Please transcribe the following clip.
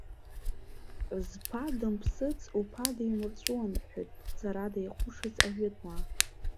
Зԥа дымԥсыц уԥа диумырҵәуан рҳәоит ҵарада иҟәышыз ажәытәуаа.